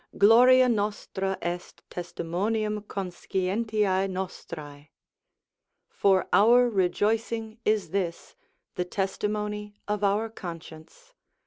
"Gloria nostra est testimonium conscientiae nostrae." ["For our rejoicing is this, the testimony of our conscience."